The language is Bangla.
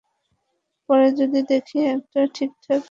পরে যদি দেখি এটা ঠিকঠাক হচ্ছে না, বোর্ড সিদ্ধান্ত নিতে পারে।